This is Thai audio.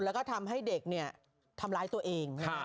แล้วก็ทำให้เด็กทำร้ายตัวเอง